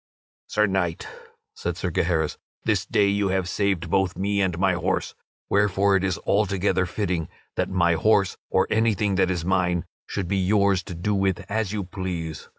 "Sir Knight," said Sir Gaheris, "this day you have saved both me and my horse, wherefore it is altogether fitting that my horse or anything that is mine should be yours to do with as you please.